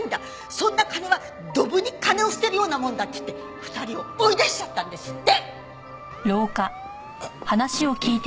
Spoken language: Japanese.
そんな金はドブに金を捨てるようなもんだって言って２人を追い出しちゃったんですって！